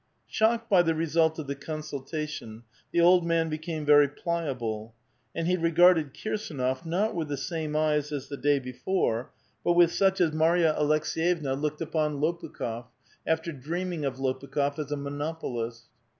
Shocked bv the result of the consultation, the old man be came very pliable ; and he regarded Kirsdnof, not with the same eyes as the day before, but with such as Mary a Alek 414 A VITAL QUESTION. B^vcvna looked upon Lopukli6f , after dreamlDg of Lopukh6f as a monopolist.